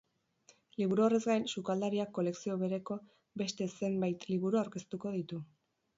Liburu horrez gain, sukaldariak kolekzio bereko beste zenbait liburu aurkeztuko ditu.